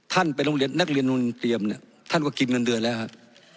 ไปโรงเรียนนักเรียนโรงเรียนเตรียมเนี่ยท่านก็กินเงินเดือนแล้วครับ